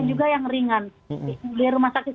juga yang ringan di rumah sakit